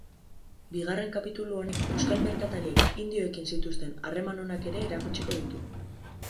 Bigarren kapitulu honek euskal merkatariek indioekin zituzten harreman onak ere erakutsiko ditu.